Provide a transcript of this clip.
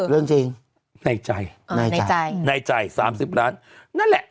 เรื่องจริงในใจในใจ๓๐ล้านนั่นแหละ